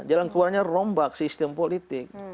jalan keluarnya rombak sistem politik